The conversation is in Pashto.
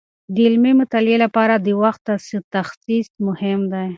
د علمي مطالعې لپاره د وخت تخصیص مهم دی.